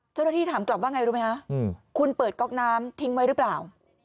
เจ้าหน้าที่ถามกลับว่าไงรู้ไหมคะคุณเปิดก๊อกน้ำทิ้งไว้หรือเปล่า